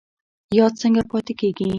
یاد څنګه پاتې کیږي؟